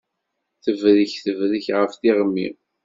Tebrek tebrek ɣef tiɣmi